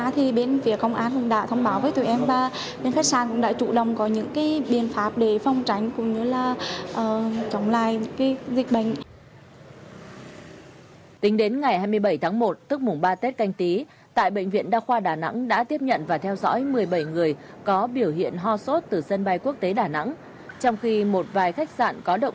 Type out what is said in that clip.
tính đến ngày hai mươi bảy tháng một tức mùng ba tết canh tí tại bệnh viện đa khoa đà nẵng đã tiếp nhận và theo dõi các bệnh viện